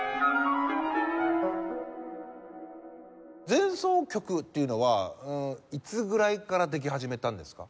前奏曲っていうのはいつぐらいからでき始めたんですか？